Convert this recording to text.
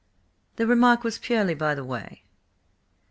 The remark was purely by the way."